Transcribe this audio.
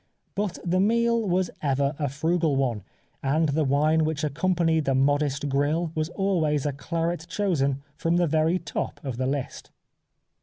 But the meal was ever a frugal one, and the wine which accompanied the modest grill was always a claret chosen from the very top of the list.